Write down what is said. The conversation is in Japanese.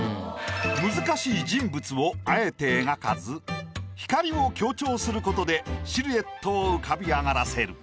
難しい人物をあえて描かず光を強調することでシルエットを浮かび上がらせる。